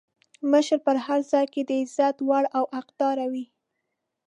مشر په هر ځای کې د عزت وړ او حقدار وي.